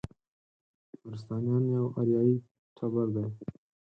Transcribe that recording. نورستانیان یو اریایي ټبر دی.